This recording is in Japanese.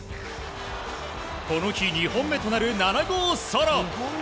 この日２本目となる７号ソロ。